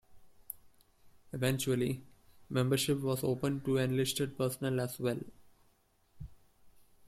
Eventually, membership was opened to enlisted personnel as well.